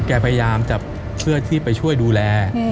พยายามจะเพื่อที่ไปช่วยดูแล